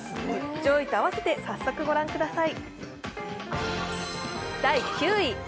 上位と併せて早速御覧ください。